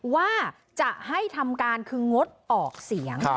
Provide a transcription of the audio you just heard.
ว่าจะให้ทำการคืองดออกเสียง